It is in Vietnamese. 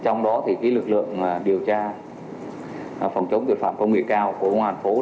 trong đó lực lượng điều tra phòng chống tội phạm công nghệ cao của công an tp hcm